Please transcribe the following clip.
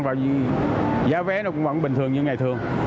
và giá vé nó cũng vẫn bình thường như ngày thường